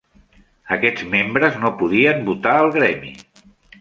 Aquests membres no podien votar al gremi.